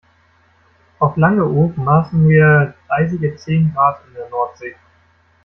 Auf Langeoog maßen wir eisige zehn Grad in der Nordsee.